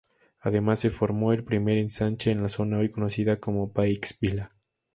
Además, se formó el primer ensanche en la zona hoy conocida como Baix Vila.